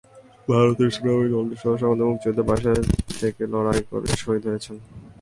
ভারতের সেনাবাহিনীর অনেক সদস্য আমাদের মুক্তিযোদ্ধাদের পাশে থেকে লড়াই করে শহীদ হয়েছেন।